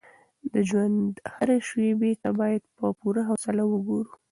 د ژوند هرې شېبې ته باید په پوره حوصله وګورو.